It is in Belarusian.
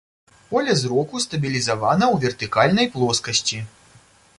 Поле зроку стабілізавана ў вертыкальнай плоскасці.